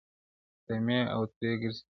رمې اوتري ګرځي -